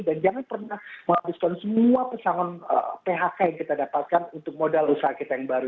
dan jangan pernah menghabiskan semua pesangon phk yang kita dapatkan untuk modal usaha kita yang baru